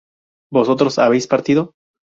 vosotros habéis partido